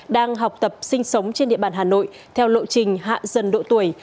đang học tập sinh sống trên địa bàn hà nội theo lộ trình hạ dần độ tuổi